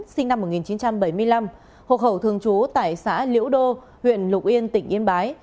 sinh năm một nghìn chín trăm bảy mươi năm hộ khẩu thường trú tại xã liễu đô huyện lục yên tỉnh yên bái